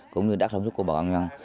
cũng như đất sông chúc của bọn nhân